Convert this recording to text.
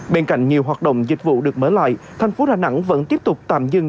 bên cạnh nhiều hoạt động dịch vụ được mở lại thành phố đà nẵng vẫn tiếp tục tạm dừng